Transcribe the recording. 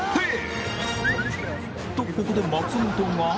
ここで松本が